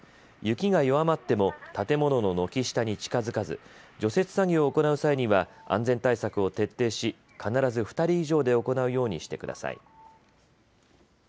雪が弱まっても建物の軒下に近づかず、除雪作業を行う際には安全対策を徹底し、必ず２人以上で行うようにしてください。